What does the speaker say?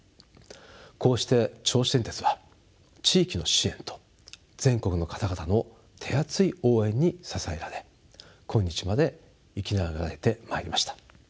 こうして銚子電鉄は地域の支援と全国の方々の手厚い応援に支えられ今日まで生き長らえてまいりました。